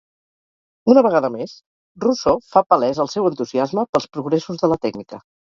Una vegada més, Rousseau fa palès el seu entusiasme pels progressos de la tècnica.